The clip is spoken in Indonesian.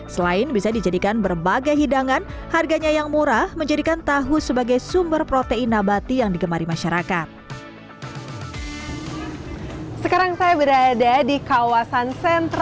selain bisa dijadikan berbagai hidangan harganya yang murah menjadikan tahu sebagai sumber protein abadi yang digemari masyarakat